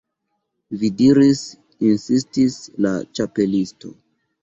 "Vi diris" insistis la Ĉapelisto.